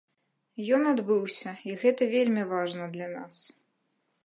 Ён адбыўся, і гэта вельмі важна для нас.